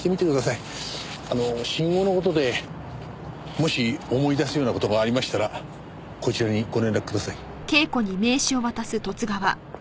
信号の事でもし思い出すような事がありましたらこちらにご連絡ください。